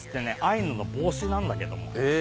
アイヌの帽子なんだけども。